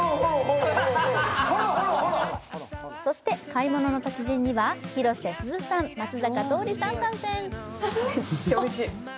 そして「買い物の達人」には広瀬すずさん、松坂桃李さんが参戦。